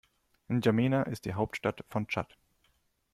N’Djamena ist die Hauptstadt von Tschad.